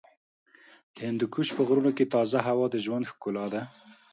د هندوکش په غرونو کې تازه هوا د ژوند ښکلا ده.